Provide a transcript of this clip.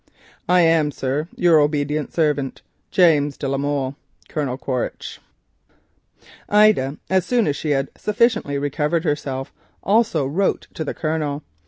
"I am, sir, your obedient servant, "James de la Molle. "Colonel Quaritch, V.C." Ida as soon as she had sufficiently recovered herself also wrote to the Colonel.